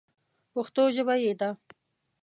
پښتو ژبه یې ده.